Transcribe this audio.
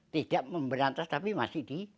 tidak memberantas tapi masih di